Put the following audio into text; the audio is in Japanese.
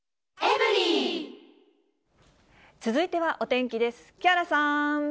続いてはお天気です。